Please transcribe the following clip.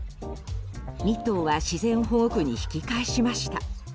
２頭は自然保護区に引き返しました。